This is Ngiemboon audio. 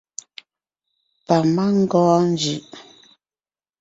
Pamangɔɔn njʉʼ.